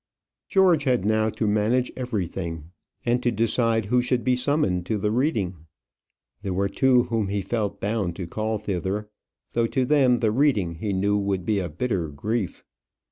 George had now to manage everything, and to decide who should be summoned to the reading. There were two whom he felt bound to call thither, though to them the reading he knew would be a bitter grief.